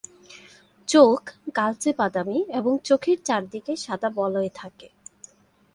চোখ কালচে-বাদামি এবং চোখের চারদিকে সাদা বলয় থাকে।